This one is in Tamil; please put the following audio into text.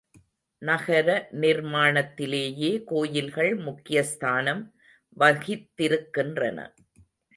நகர நிர்மாணத்திலேயே கோயில்கள் முக்யஸ்தானம் வகித்திருக்கின்றன.